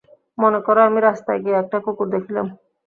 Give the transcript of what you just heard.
মনে কর, আমি রাস্তায় গিয়া একটা কুকুর দেখিলাম।